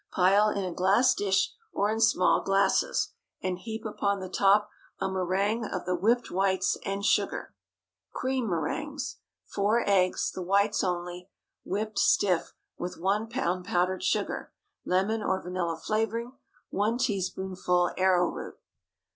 Pile in a glass dish, or in small glasses, and heap upon the top a méringue of the whipped whites and sugar. CREAM MÉRINGUES. 4 eggs (the whites only), whipped stiff, with 1 lb. powdered sugar. Lemon or vanilla flavoring. 1 teaspoonful arrowroot.